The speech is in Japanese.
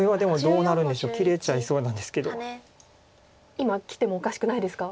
今切ってもおかしくないですか？